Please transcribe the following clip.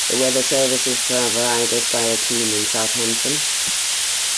The weather service is provided by a team in Southampton.